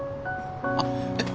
あっえっ